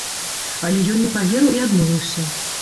Але ён не паверыў і адмовіўся.